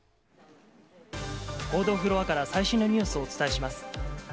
報道フロアから最新のニュースをお伝えします。